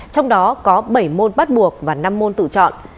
trong đó có bảy môn bắt buộc và năm môn tự chọn